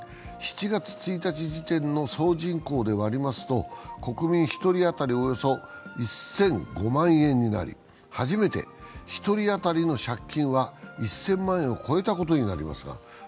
７月１日時点の総人口で割りますと、国民１人当たりおよそ１００５万円になり初めて１人当たりの借金は１０００万円を超えたことになります。